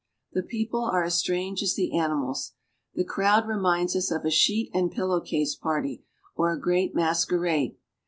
The people are as strange as the animals. The crowd reminds us of a sheet and pillow case party or a great masquerade.